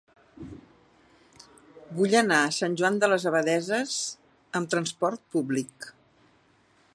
Vull anar a Sant Joan de les Abadesses amb trasport públic.